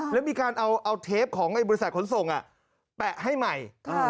แล้วมีการเอาเทปของบริษัทขนส่งแปะให้ใหม่